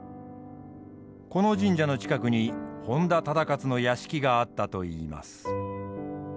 この神社の近くに本多忠勝の屋敷があったといいます。